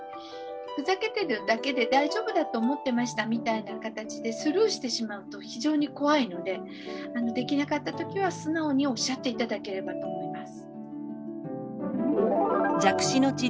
ふざけてるだけで大丈夫だと思ってましたみたいな形でスルーしてしまうと非常に怖いのでできなかった時は素直におっしゃって頂ければと思います。